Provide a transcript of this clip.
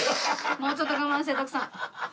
もうちょっと我慢して徳さん。